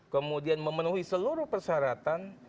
kemudian memenuhi seluruh persyaratan